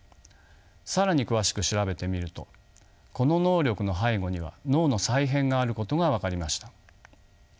更に詳しく調べてみるとこの能力の背後には脳の再編があることが分かりました。